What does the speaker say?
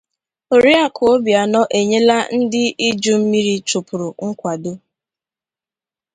Oriakụ Obianọ Enyela Ndị Iju Mmiri Chụpụrụ Nkwàdo